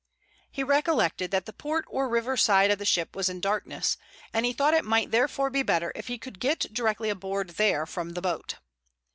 He recollected that the port or river side of the ship was in darkness, and he thought it might therefore be better if he could get directly aboard there from the boat.